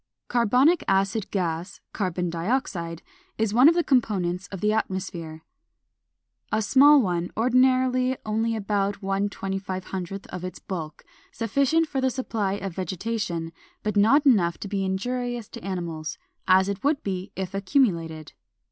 Carbonic acid gas (Carbon dioxide) is one of the components of the atmosphere, a small one, ordinarily only about 1/2500 of its bulk, sufficient for the supply of vegetation, but not enough to be injurious to animals, as it would be if accumulated.